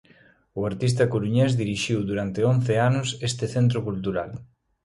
O artista coruñés dirixiu durante once anos este centro cultural.